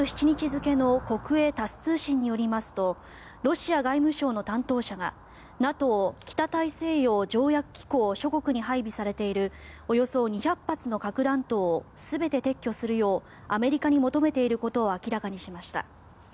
２７日付の国営タス通信によりますとロシア外務省の担当者がＮＡＴＯ・北大西洋条約機構諸国に配備されているおよそ２００発の核弾頭を全て撤去するようアメリカに求めていることを明らかにしました。